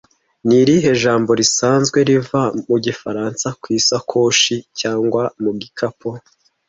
Ni irihe jambo risanzwe riva mu gifaransa ku isakoshi cyangwa mu gikapo